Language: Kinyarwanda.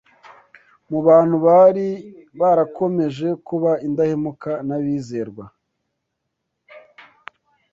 mu bantu bari barakomeje kuba indahemuka n’abizerwa.